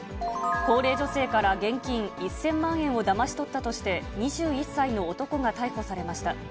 高齢女性から現金１０００万円をだまし取ったとして、２１歳の男が逮捕されました。